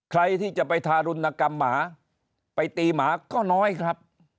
ใครที่จะไปทารุณกรรมหมาไปตีหมาก็น้อยครับ